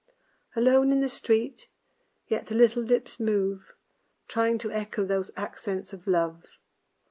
Alone in the street, yet the little lips move, Trying to echo those accents of love.